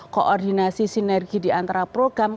koordinasi sinergi diantara program